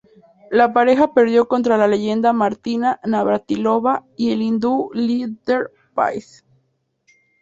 La pareja perdió contra la leyenda Martina Navratilova y el hindú Leander Paes.